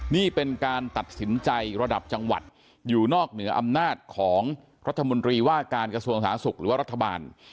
นี่เป็นการตัดสินใจระดับจังหวัดอยู่นอกเหนืออำนาจของรัฐมนตรีว่าการกระทรวงสาธารณสุขหรือว่ารัฐบาล